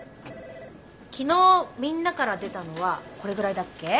昨日みんなから出たのはこれぐらいだっけ？